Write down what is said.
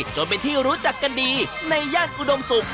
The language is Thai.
จนเป็นที่รู้จักกันดีในย่านอุดมศุกร์